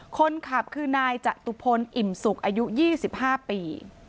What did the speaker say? คนขับคือนายจตุพลอิ่มสุกอายุ๒๕ปี